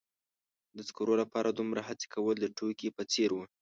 د سکرو لپاره دومره هڅې کول د ټوکې په څیر و.